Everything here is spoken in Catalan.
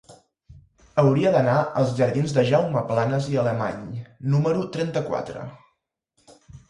Hauria d'anar als jardins de Jaume Planas i Alemany número trenta-quatre.